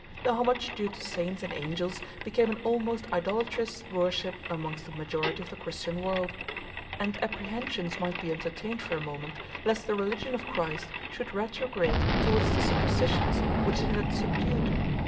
The homage due to saints and angels became an almost idolatrous worship amongst the majority of the Christian world; and apprehensions might be entertained for a moment lest the religion of Christ should retrograde towards the superstitions which it had subdued.